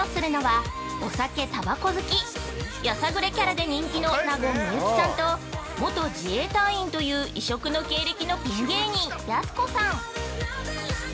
◆今回、旅をするのはお酒、たばこ好き。やさぐれキャラで人気の納言・幸さんと元自衛隊員という異色の経歴のピン芸人、やす子さん。